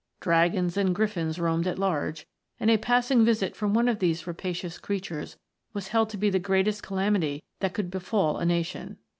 D ragons and Griffins roamed at large, and a passing visit from one of these rapacious creatures was held to be the greatest calamity that could befall a nation.